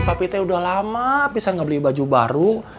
papi teh udah lama bisa gak beli baju baru